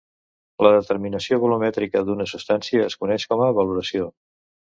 La determinació volumètrica d'una substància es coneix com a valoració.